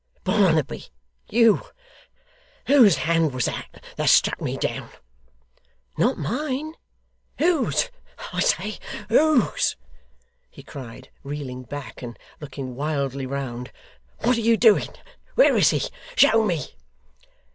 'Barnaby you! Whose hand was that, that struck me down?' 'Not mine.' 'Whose! I say, whose!' he cried, reeling back, and looking wildly round. 'What are you doing? Where is he? Show me!